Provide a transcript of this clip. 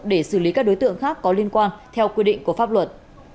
để xử lý các đối tượng khác có liên quan theo quy định của pháp luật